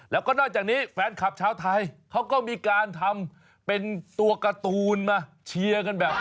แล้วก็นอกจากนี้แฟนคลับชาวไทยเขาก็มีการทำเป็นตัวการ์ตูนมาเชียร์กันแบบ